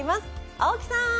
青木さん！